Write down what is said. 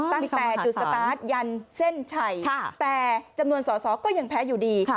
ตั้งแต่จุดสตาร์ทยันเส้นชัยแต่จำนวนสอสอก็ยังแพ้อยู่ดี